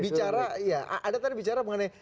bicara ya anda tadi bicara mengenai